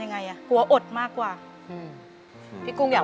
เปลี่ยนเพลงเก่งของคุณและข้ามผิดได้๑คำ